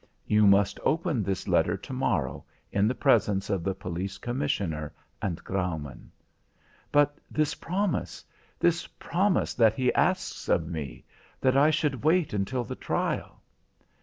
"You must open this letter to morrow in the presence of the Police Commissioner and Graumaun." "But this promise? This promise that he asks of me that I should wait until the trial?"